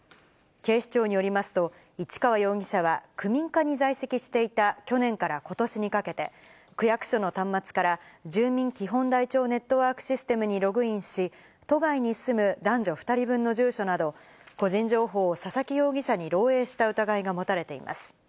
警視庁によりますと、市川容疑者は、区民課に在籍していた去年からことしにかけて、区役所の端末から、住民基本台帳ネットワークシステムにログインし、都外に住む男女２人分の住所など、個人情報を佐々木容疑者に漏えいした疑いが持たれています。